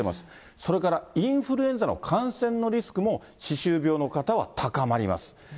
それからインフルエンザの感染のリスクも歯周病の方は高まります。